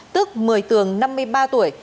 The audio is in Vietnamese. tức một mươi tường năm mươi ba tuổi